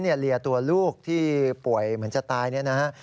เหลี่ยตัวลูกที่ป่วยเหมือนจะตายนะฮะ